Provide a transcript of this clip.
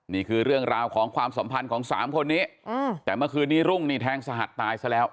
นี่คือเรื่องราวของความสัมพันธ์ของสามคนนี้แต่เมื่อคืนนี้รุ่งนี่แทงสหัสตายซะแล้ว